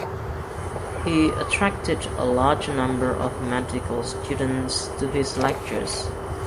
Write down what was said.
He attracted a large number of medical students to his lectures.